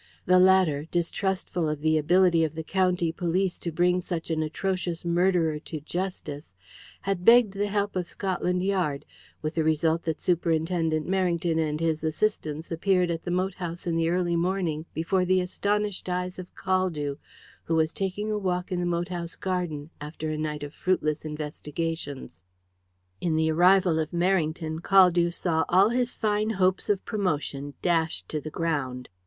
The latter, distrustful of the ability of the county police to bring such an atrocious murderer to Justice, had begged the help of Scotland Yard, with the result that Superintendent Merrington and his assistants appeared at the moat house in the early morning before the astonished eyes of Caldew, who was taking a walk in the moat house garden after a night of fruitless investigations. In the arrival of Merrington, Caldew saw all his fine hopes of promotion dashed to the ground.